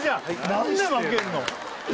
何で負けんの？